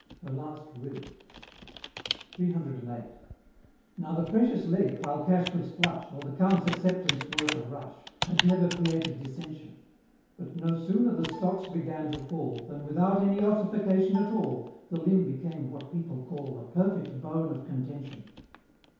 HER LAST WILL. CCCVIII. Now the Precious Leg while cash was flush, Or the Count's acceptance worth a rush, Had never created dissension; But no sooner the stocks began to fall, Than, without any ossification at all, The limb became what people call A perfect bone of contention.